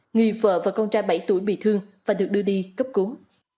người vợ và con trai bảy tuổi bị thương và được đưa đi cấp cứu